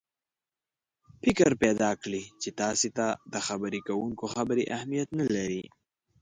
فکر پیدا کړي چې تاسې ته د خبرې کوونکي خبرې اهمیت نه لري.